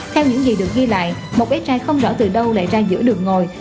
theo những gì được ghi lại một bé trai không rõ từ đâu lại ra giữa đường ngồi